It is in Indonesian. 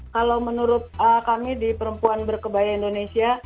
kalau menurut kami di perempuan berkebaya indonesia